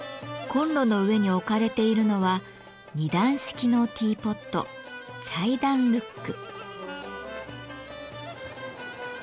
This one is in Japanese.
コンロの上に置かれているのは２段式のティーポットチャイダンルック。